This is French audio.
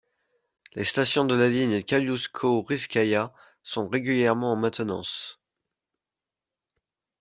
Les stations de la ligne Kaloujsko-Rijskaïa sont régulièrement en maintenance.